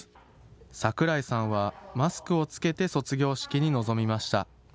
櫻井さんはマスクを着けて卒業式に臨みました。